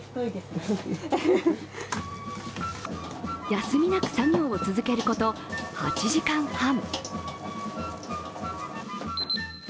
休みなく作業を続けること８時間半。